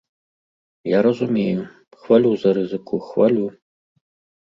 Я разумею, хвалю за рызыку, хвалю.